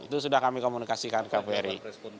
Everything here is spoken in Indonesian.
itu sudah kami komunikasikan ke kpu ri